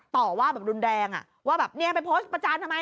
ต่อว่าแบบรุนแรงอ่ะว่าแบบเนี่ยไปโพสต์ประจานทำไม